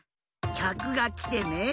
きゃくがきてね。